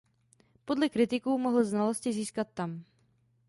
Podle kritiků mohl znalosti získat tam.